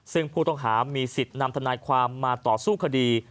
ซึ่งผู้ต้องหามีสิทธิ์นำทนายความมาต่อสู้คดี